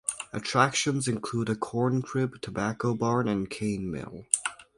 Attractions include a corn crib, tobacco barn, and cane mill.